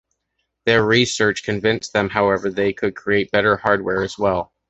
Their research convinced them, however, they could create better hardware as well.